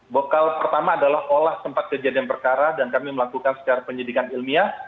bekal pertama adalah olah tempat kejadian perkara dan kami melakukan secara penyidikan ilmiah